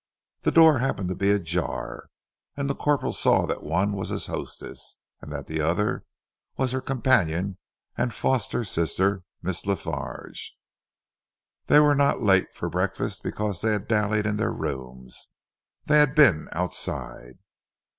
The door happened to be ajar, and the corporal saw that one was his hostess, and that the other was her companion and foster sister, Miss La Farge. They were not late for breakfast because they had dallied in their rooms; they had been outside.